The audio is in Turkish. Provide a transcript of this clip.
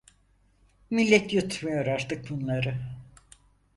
Millet yutmuyor artık bunları.